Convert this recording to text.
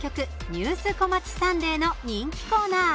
「ニュースこまちサンデー」の人気コーナー。